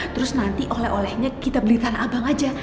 terus nanti oleh olehnya kita beli tanah abang aja